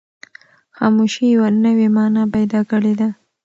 خاموشي یوه نوې مانا پیدا کړې ده.